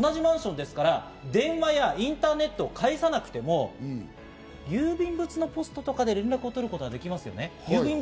同じマンションですから、電話やインターネットを介さなくても、郵便物のポストとかで連絡を取ることはできますよね。